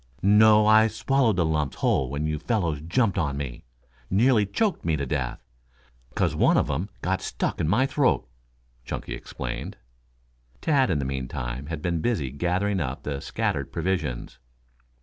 "No, I swallowed the lumps whole when you fellows jumped on me. Nearly choked me to death, 'cause one of 'em got stuck in my throat," Chunky explained. Tad, in the meantime, had been busy gathering up the scattered provisions.